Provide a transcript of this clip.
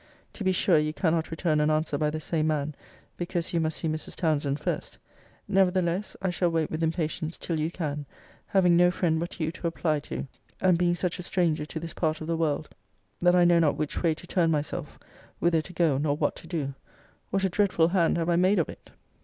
To be sure, you cannot return an answer by the same man, because you must see Mrs. Townsend first: nevertheless, I shall wait with impatience till you can; having no friend but you to apply to; and being such a stranger to this part of the world, that I know not which way to turn myself; whither to go; nor what to do What a dreadful hand have I made of it!